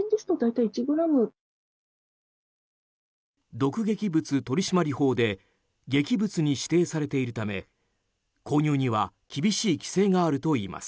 毒劇物取締法で劇物に指定されているため購入には厳しい規制があるといいます。